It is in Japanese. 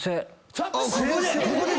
ここで⁉